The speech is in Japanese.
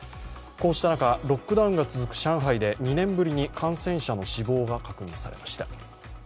こうした中、ロックダウンが続く上海で２年ぶりに感染者の死亡が確認されました。